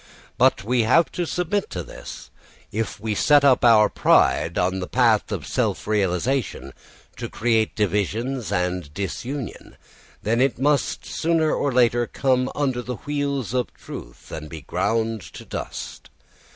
But we have to submit to this. If we set up our pride on the path of our self realisation to create divisions and disunion, then it must sooner or later come under the wheels of truth and be ground to dust.